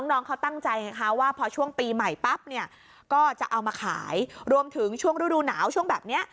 น้องเขาตั้งใจไงคะว่าพอช่วงปีใหม่ปั๊บเนี่ยก็จะเอามาขายรวมถึงช่วงฤดูหนาวช่วงแบบนี้